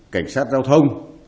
cảnh sát giao thông